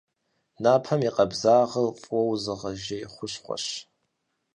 Напэм и къабзагъэр фӏыуэ узыгъэжей хущхъуэщ.